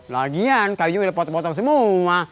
lagian kayu udah potong potong semua